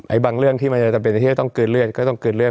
บางเรื่องที่มันจะจำเป็นที่จะต้องกลืนเลือดก็ต้องกลืนเลือ